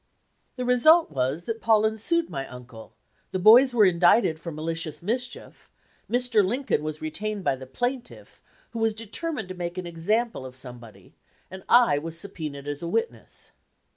"The result was that Paullin sued my uncle, the bovs were indicted for malicious mischief, Mr. Lincoln was retained by the plaintiff, who was determined to make an example of some body, and I was subpoenaed as a witness.